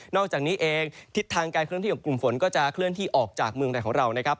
อกจากนี้เองทิศทางการเคลื่อนที่ของกลุ่มฝนก็จะเคลื่อนที่ออกจากเมืองไทยของเรานะครับ